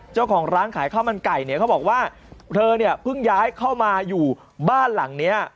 เจ้าของร้านขายข้าวมันไก่เนี่ยเขาบอกว่าเธอเนี่ยเพิ่งย้ายเข้ามาอยู่บ้านหลังเนี้ย